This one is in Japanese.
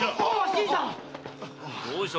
新さん